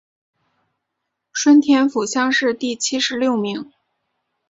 顺天府乡试第七十六名。